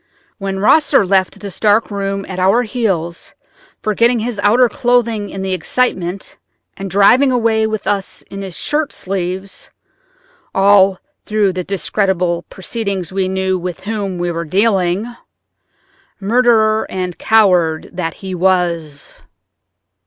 When Rosser left this dark room at our heels, forgetting his outer clothing in the excitement, and driving away with us in his shirt sleeves—all through the discreditable proceedings we knew with whom we were dealing, murderer and coward that he was!"